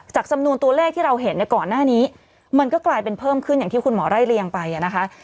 จำนวนตัวเลขที่เราเห็นในก่อนหน้านี้มันก็กลายเป็นเพิ่มขึ้นอย่างที่คุณหมอไล่เรียงไปนะคะ